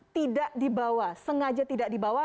tidak dibawa sengaja tidak dibawa